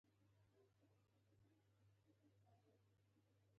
د ګلاب زوى هم راسره و.